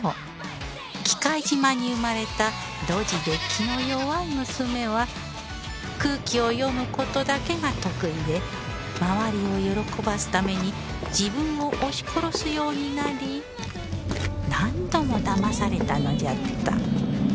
喜界島に生まれたドジで気の弱い娘は空気を読む事だけが得意で周りを喜ばすために自分を押し殺すようになり何度もだまされたのじゃった